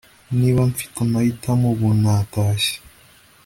Niba mfite amahitamo ubu natashye